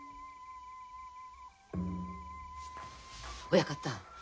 親方